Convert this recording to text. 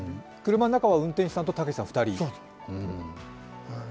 車の中は運転手さんとたけしさん２人。